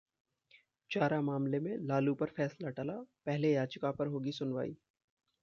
चारा मामले में लालू पर फैसला टला, पहले याचिका पर होगी सुनवाई